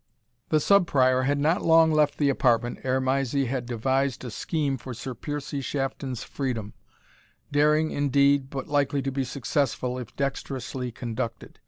The Sub Prior had not long left the apartment, ere Mysie had devised a scheme for Sir Piercie Shafton's freedom, daring, indeed, but likely to be successful, if dexterously conducted.